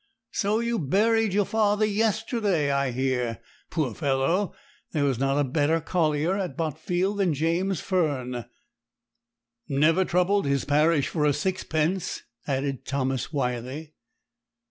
'So you buried your father yesterday, I hear. Poor fellow! there was not a better collier at Botfield than James Fern.' 'Never troubled his parish for a sixpence,' added Thomas Wyley.